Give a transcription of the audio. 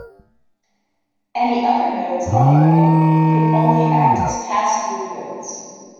Any other nodes on the ring could only act as pass-through nodes.